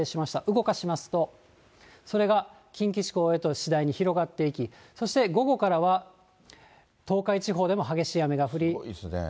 動かしますと、それが近畿地方へと次第に広がっていき、そして午後からは、すごいですね。